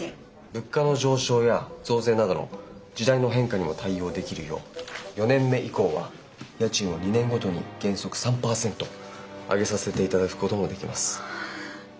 物価の上昇や増税などの時代の変化にも対応できるよう４年目以降は家賃を２年ごとに原則３％上げさせていただくこともできます。